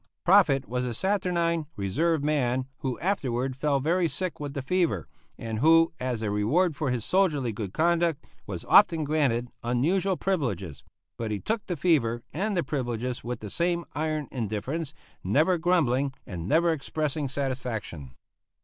Proffit was a saturnine, reserved man, who afterward fell very sick with the fever, and who, as a reward for his soldierly good conduct, was often granted unusual privileges; but he took the fever and the privileges with the same iron indifference, never grumbling, and never expressing satisfaction.